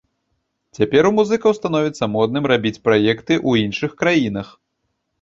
Цяпер у музыкаў становіцца модным рабіць праекты ў іншых краінах.